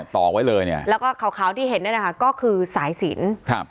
ตอกไว้เลยเนี่ยแล้วก็ขาวที่เห็นเนี่ยนะคะก็คือสายสินครับ